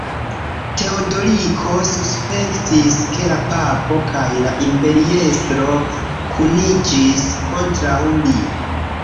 Teodoriko suspektis ke la papo kaj la imperiestro kuniĝis kontraŭ li.